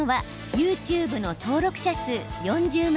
ＹｏｕＴｕｂｅの登録者数４０万